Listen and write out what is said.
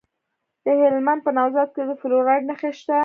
د هلمند په نوزاد کې د فلورایټ نښې شته.